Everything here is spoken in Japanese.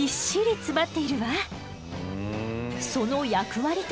その役割とは？